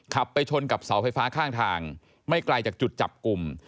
ไปชนกับเสาไฟฟ้าข้างทางไม่ไกลจากจุดจับกลุ่ม